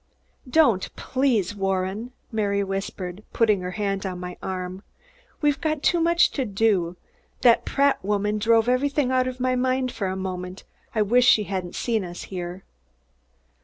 "Don't, please, Warren!" Mary whispered, putting her hand on my arm. "We've got too much to do. That Pratt woman drove everything out of my mind for a moment. I wish she hadn't seen us here."